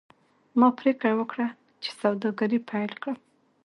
ما پریکړه وکړه چې سوداګري پیل کړم.